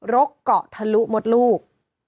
รกเกาะทะลุมดลูก